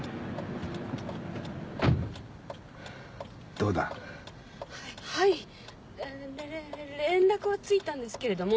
どうだ？はいれれ連絡はついたんですけれども。